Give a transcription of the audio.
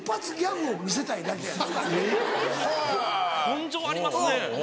根性ありますね。